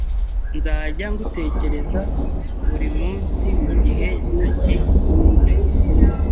Nzajya ngutekereza buri munsi mugihe ntari kure.